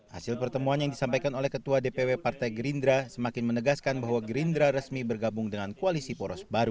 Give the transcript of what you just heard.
hasil pertemuan yang disampaikan oleh ketua dpw partai gerindra semakin menegaskan bahwa gerindra resmi bergabung dengan koalisi poros baru